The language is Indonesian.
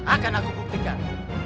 akan aku buktikan